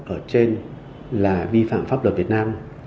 ở trên là vi phạm pháp luật việt nam